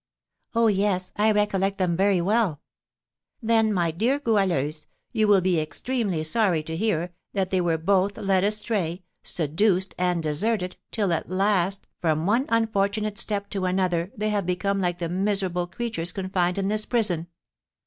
"Oh, yes, I recollect them very well!" "Then, my dear Goualeuse, you will be extremely sorry to hear that they were both led astray, seduced, and deserted, till at last, from one unfortunate step to another, they have become like the miserable creatures confined in this prison!"